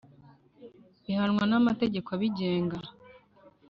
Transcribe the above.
bihanwa n'amategeko abigenga